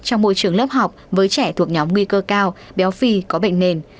trong môi trường lớp học với trẻ thuộc nhóm nguy cơ cao béo phì có bệnh nền